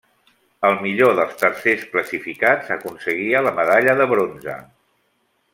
El millor dels tercers classificats aconseguia la medalla de bronze.